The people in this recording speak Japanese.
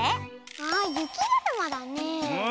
あゆきだるまだねえ。